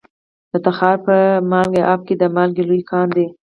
د تخار په نمک اب کې د مالګې لوی کان دی.